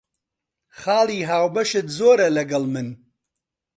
خاڵی هاوبەشت زۆرە لەگەڵ من.